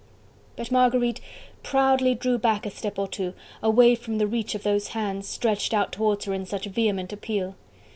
But Marguerite proudly drew back a step or two, away from the reach of those hands, stretched out towards her in such vehement appeal.